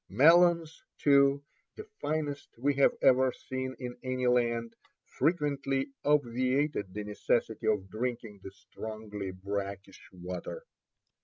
Melons, too, the finest we have ever seen in any land, frequently obviated the necessity of drinking the strongly brackish water.